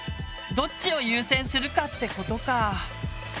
どっちを優先するかってことか。